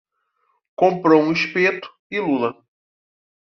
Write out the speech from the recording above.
Comprou um espeto e lula